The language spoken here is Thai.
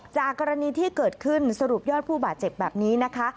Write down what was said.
จากกรณีที่เกิดขึ้นสรุปยอดผู้บาดเจ็บแบบนี้นะคะ